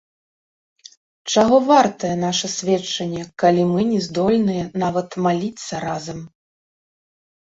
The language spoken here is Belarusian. Чаго вартае наша сведчанне, калі мы не здольныя нават маліцца разам?